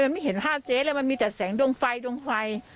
ไม่เห็นภาพเจ๊เลยมันมีแต่แสงดวงไฟดวงไฟ